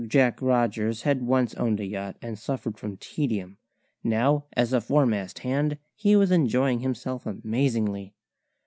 Jack Rogers had once owned a yacht and suffered from tedium; now, as a foremast hand, he was enjoying himself amazingly.